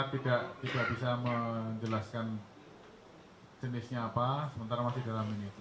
tidak bisa menjelaskan jenisnya apa sementara masih dalam ini